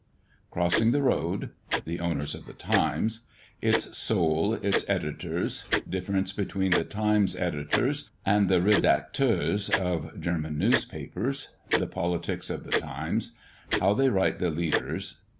CROSSING THE ROAD. THE OWNERS OF THE "TIMES." ITS SOUL; ITS EDITORS. DIFFERENCE BETWEEN THE "TIMES'" EDITORS AND THE "REDACTEURS" OF GERMAN NEWSPAPERS. THE POLITICS OF THE "TIMES." HOW THEY WRITE THE "LEADERS."